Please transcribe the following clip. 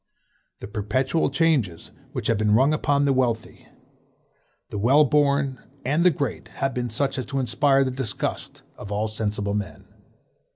The perpetual changes which have been rung upon the wealthy, the well born, and the great, have been such as to inspire the disgust of all sensible men.